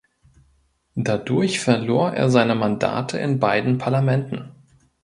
Dadurch verlor er seine Mandate in beiden Parlamenten.